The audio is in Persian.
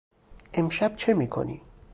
امشب چه می کنی؟